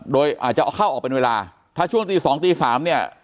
โดยอาจจะเข้าออกเป็นเวลาถ้าช่วงตีสองตีสามเนี่ย